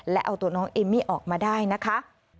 และเอาตัวน้องเอมมี่ออกมาได้นะคะ